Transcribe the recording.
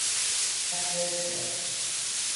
سطح کروی